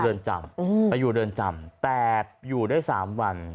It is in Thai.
เรินจำไปอยู่เรินจำแต่อยู่ได้๓วัน